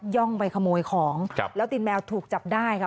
่องไปขโมยของครับแล้วตีนแมวถูกจับได้ค่ะ